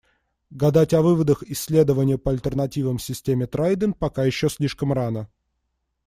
Гадать о выводах "Исследования по альтернативам системе 'Трайдент'" пока еще слишком рано.